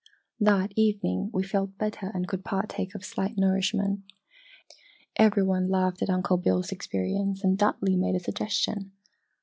That evening we felt better and could partake of slight nourishment!" Every one laughed at Uncle Bill's experience and Dudley made a suggestion.